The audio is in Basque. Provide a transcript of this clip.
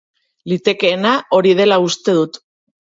Litekeena hori dela uste dut.